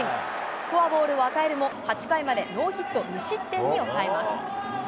フォアボールを与えるも、８回までノーヒット無失点に抑えます。